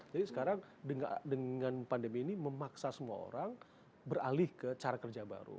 jadi sekarang dengan pandemi ini memaksa semua orang beralih ke cara kerja baru